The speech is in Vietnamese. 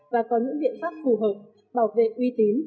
và có những biện pháp phù hợp bảo vệ uy tín